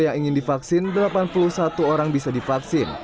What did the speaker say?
yang ingin divaksin delapan puluh satu orang bisa divaksin